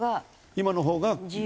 今の方が。